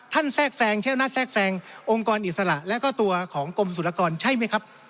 ท่านแทรกแทรงเช่นนัทแทรกแทรงองค์กรอิสระและก็ตัวของกรมสุรกรณ์ใช่ไหมครับ